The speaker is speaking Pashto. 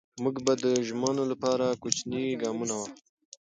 موږ به د ژمنو لپاره کوچني ګامونه واخلو.